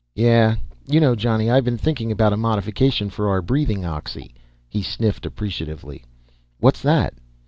"Yeah. You know, Johnny, I've been thinking about a modification for our breathing oxy." He sniffed appreciatively. "What's that?"